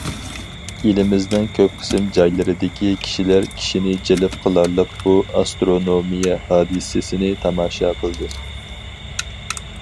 ئېلىمىزنىڭ كۆپ قىسىم جايلىرىدىكى كىشىلەر كىشىنى جەلپ قىلارلىق بۇ ئاسترونومىيە ھادىسىسىنى تاماشا قىلدى.